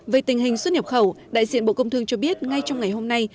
về tình hình xuất nhập khẩu đại diện bộ công thương cho biết ngay trong ngày hôm nay